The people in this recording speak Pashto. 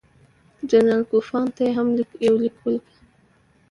جنرال کوفمان ته یې هم یو لیک ولیکه.